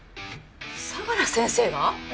相良先生が？ええ。